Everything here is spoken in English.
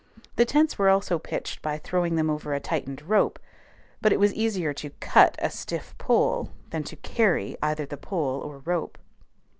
The tents were also pitched by throwing them over a tightened rope; but it was easier to cut a stiff pole than to carry either the pole or rope.